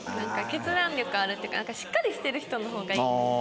決断力あるっていうかしっかりしてる人の方がいい。